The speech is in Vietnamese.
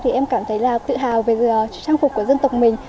thì em cảm thấy là tự hào về trang phục của dân tộc mình